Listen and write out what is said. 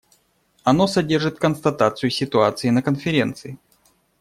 Оно содержит констатацию ситуации на Конференции.